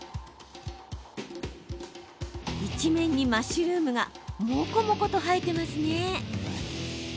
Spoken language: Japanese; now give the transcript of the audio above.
一面にマッシュルームがモコモコと生えています。